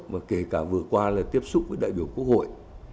mà kể cả vừa qua là tiếp xúc với đại biểu quốc hội